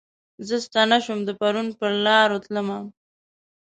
زه ستنه شوم د پرون پرلارو تلمه